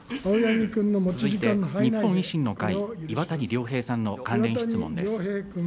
続いて日本維新の会、岩谷良平君の関連質問です。